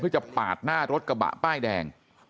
เพื่อจะปาดหน้ารถกระบะป้ายแดง